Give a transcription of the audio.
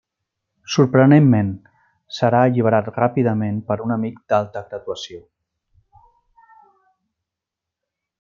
Sorprenentment, serà alliberat ràpidament per un amic d'alta graduació.